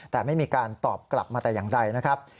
แต่ไม่มีการตอบกลับมาแต่อย่างใดนะครับ